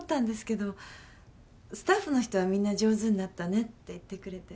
スタッフの人はみんな「上手になったね」って言ってくれて。